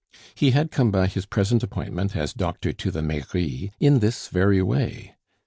He had come by his present appointment as doctor to the Mairie in this very way.